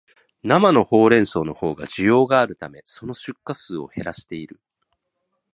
生ホウレンソウのほうが需要があるため、その出荷数を減らしている